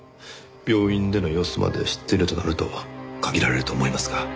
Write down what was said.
病院での様子まで知っているとなると限られると思いますが。